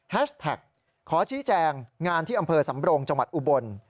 แท็กขอชี้แจงงานที่อำเภอสำโรงจังหวัดอุบล